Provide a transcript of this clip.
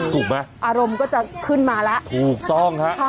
ถูกไหมอารมณ์ก็จะขึ้นมาแล้วถูกต้องฮะ